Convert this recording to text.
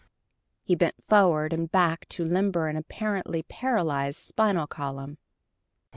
He bent forward and back to limber an apparently paralyzed spinal column.